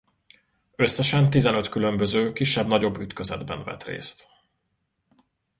Összesen tizenöt különböző kisebb-nagyobb ütközetben vett részt.